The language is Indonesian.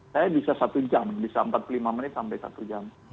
saya bisa satu jam bisa empat puluh lima menit sampai satu jam